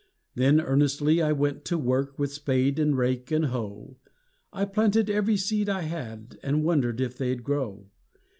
Then earnestly I went to work With spade and rake and hoe; I planted every seed I had, And wondered if they'd grow.